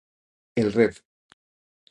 El Rev.